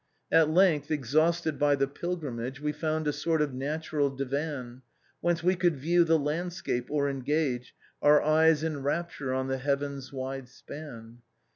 313 "At length, exhausted by the pilgrimage, We found a sort of natural divan, Whence wc could view the landscape, or engage Our eyes in rapture on the heaven's wide span.